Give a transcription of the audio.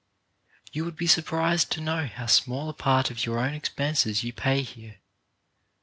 You would be surprised to know how small a part of your own expenses you pay here.